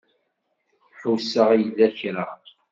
Ḥusseɣ yella kra.